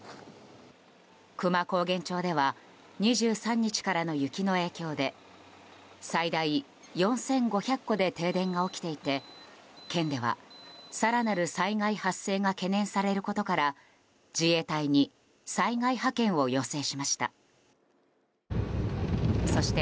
久万高原町では２３日からの雪の影響で最大４５００戸で停電が起きていて県では、更なる災害発生が懸念されることから自衛隊に災害派遣を要請しました。